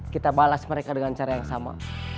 kita balas mereka dengan cara yang sama